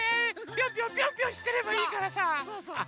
ピョンピョンピョンピョンしてればいいからさ。そうそう。